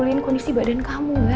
tentu saja status anda